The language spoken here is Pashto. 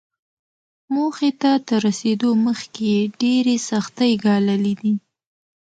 موخې ته تر رسېدو مخکې يې ډېرې سختۍ ګاللې دي.